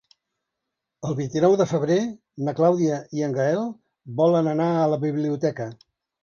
El vint-i-nou de febrer na Clàudia i en Gaël volen anar a la biblioteca.